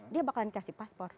dia bakalan dikasih paspor